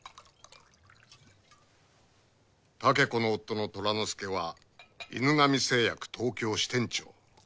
竹子の夫の寅之助は犬神製薬東京支店長。